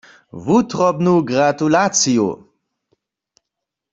Wutrobnu gratulaciju!